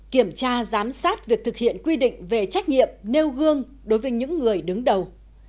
kiểm tra giám sát việc thực hiện quy định về trách nhiệm nêu gương đối với những người đứng đầu